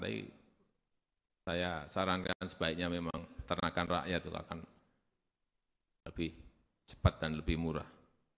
tapi saya sarankan sebaiknya memang peternakan rakyat itu akan lebih cepat dan lebih murah